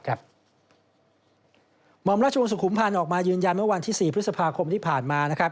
ห่อมราชวงศุขุมพันธ์ออกมายืนยันเมื่อวันที่๔พฤษภาคมที่ผ่านมา